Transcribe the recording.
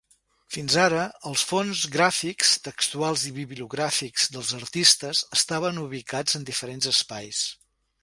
Fins ara, els fons gràfics, textuals i bibliogràfics dels artistes estaven ubicats en diferents espais.